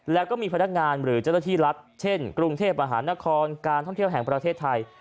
แล้วก็มีพนักงานหรือเจ้าหน้าที่รัฐเช่นกรุงเทพมหานครการท่องเที่ยวแห่งประเทศไทย